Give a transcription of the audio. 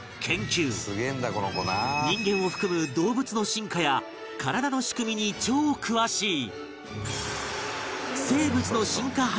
人間を含む動物の進化や体の仕組みに超詳しい